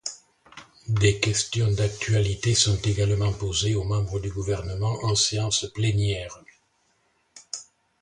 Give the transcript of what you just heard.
Des questions d'actualité sont également posées aux membres du Gouvernement en séance plénière.